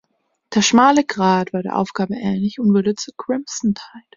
Der Schmale Grad war der Aufgabe ähnlich und wurde zu Crimson Tide.